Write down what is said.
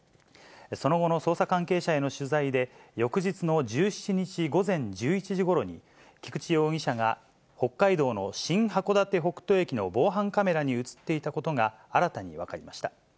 その後の捜査関係者への取材で、翌日の１７日午前１１時ごろに、菊池容疑者が北海道の新函館北斗駅の防犯カメラに写っていたことが新たに分かりました。